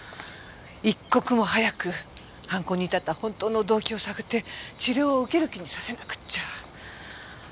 一刻も早く犯行に至った本当の動機を探って治療を受ける気にさせなくっちゃ。